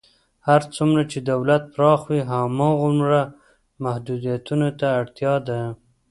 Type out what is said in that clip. هر څومره چې دولت پراخ وي، هماغومره محدودیتونو ته اړتیا ده.